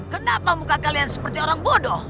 kenapa muka kalian seperti orang bodoh